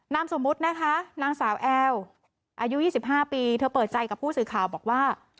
นามสมมุตินะคะนางสาวแอลอายุ๒๕ปีเธอเปิดใจกับผู้สื่อข่าวบอกว่า